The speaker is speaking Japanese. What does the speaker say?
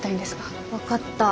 分かった。